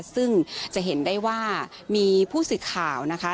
ซึ่งจะเห็นได้ว่ามีผู้สื่อข่าวนะคะ